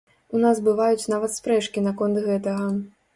У нас бываюць нават спрэчкі наконт гэтага.